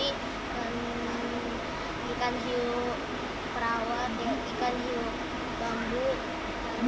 dan ikan hiu perawat ikan hiu bambu